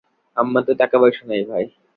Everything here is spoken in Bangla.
আমার তো টাকা-পয়সা নেই, ভাই।